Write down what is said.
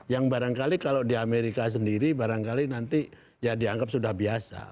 yang barangkali kalau di amerika sendiri barangkali nanti ya dianggap sudah biasa